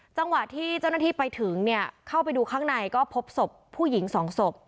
จังหวะที่เจ้าหน้าที่ไปถึงเนี่ยเข้าไปดูข้างในก็พบศพผู้หญิงสองศพ